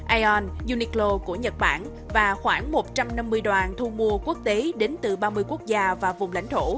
aeon uniqlo của nhật bản và khoảng một trăm năm mươi đoàn thu mua quốc tế đến từ ba mươi quốc gia và vùng lãnh thổ